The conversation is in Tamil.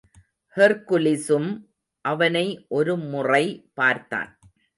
ஹெர்க்குலிஸும் அவனை ஒரு முறை பார்த்தான்.